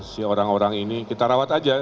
si orang orang ini kita rawat aja